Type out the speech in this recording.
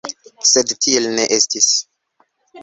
Sed tiel ne estis.